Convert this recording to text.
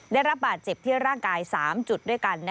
ได้รับบาดเจ็บที่ร่างกาย๓จุดด้วยกัน